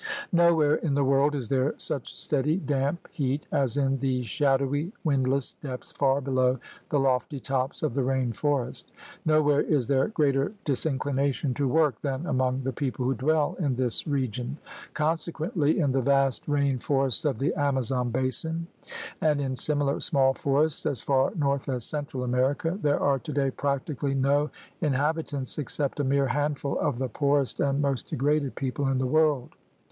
Nowhere in the world is there such steady, damp heat as in these shadowy, windless depths far below the lofty tops of the rain forest. Nowhere is there greater disinclination to work than among the people who dwell in this region. Consequently in the vast rain forests of the Amazon basin and in similar small forests as far north as Central America, there are today practically no inhabi tants except a mere handful of the poorest and most degraded people in the world.